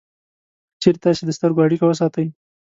که چېرې تاسې د سترګو اړیکه وساتئ